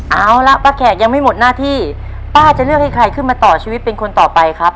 เอาล่ะป้าแขกยังไม่หมดหน้าที่ป้าจะเลือกให้ใครขึ้นมาต่อชีวิตเป็นคนต่อไปครับ